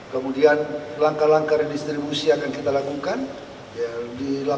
kemudian langkah langkah redistribusi akan kita lakukan di lapas lapas yang tegas yang keras